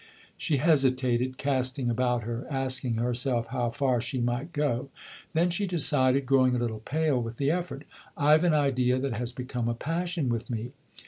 She hesitated, casting about her, asking herself how far she might go. Then she decided, growing a little pale with the effort. " I've an idea that has become a passion with me.